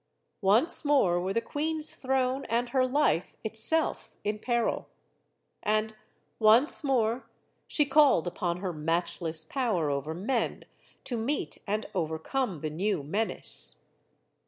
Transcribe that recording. Once more were the queen's throne and her life itself in peril. And once more she called upon her matchless power over men to meet and overcome the new menace.